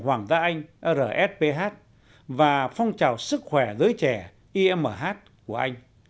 hoàng gia anh rsph và phong trào sức khỏe giới trẻ imh của anh